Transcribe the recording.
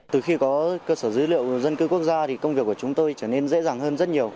từ khi có cơ sở dữ liệu dân cư quốc gia thì công việc của chúng tôi trở nên dễ dàng hơn rất nhiều